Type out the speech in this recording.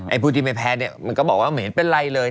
ผู้ที่ไม่แพ้เนี่ยมันก็บอกว่าไม่เห็นเป็นไรเลย